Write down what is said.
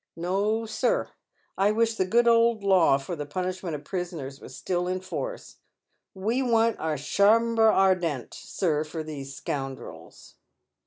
No, sir ; I wish the good old law for the punishment of prisoners was still in force. We want our Chambre Ardente, Bir, for these scoundrels."